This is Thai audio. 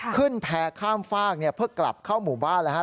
แพร่ข้ามฝากเพื่อกลับเข้าหมู่บ้านแล้วครับ